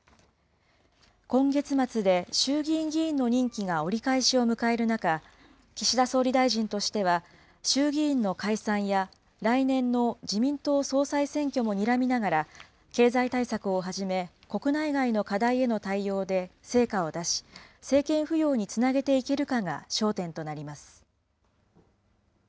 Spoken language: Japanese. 今月末で衆議院議員の任期が折り返しを迎える中、岸田総理大臣としては、衆議院の解散や、来年の自民党総裁選挙もにらみながら、経済対策をはじめ、国内外の課題への対応で成果を出し、政権浮揚につなげていけるかが焦点となります。